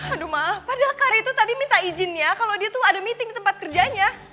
aduh ma padahal kak rey itu tadi minta izinnya kalau dia tuh ada meeting di tempat kerjanya